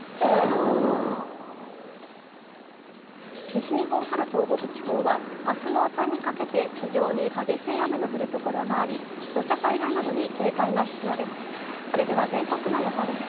西日本から東北地方は明日朝にかけて非常に激しい雨の降るところがあり土砂災害などに警戒が必要です。